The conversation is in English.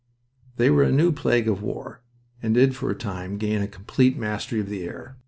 They were a new plague of war, and did for a time gain a complete mastery of the air.